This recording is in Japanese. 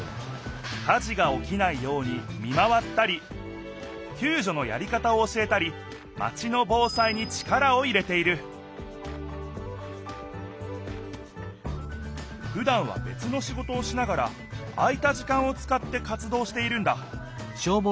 火事がおきないように見回ったりきゅうじょのやり方を教えたりマチの防災に力を入れているふだんはべつの仕事をしながら空いた時間を使って活どうしているんだ